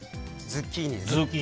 ズッキーニです。